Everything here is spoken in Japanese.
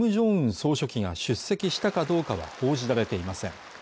総書記が出席したかどうかは報じられていません